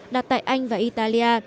đạt tại anh và italia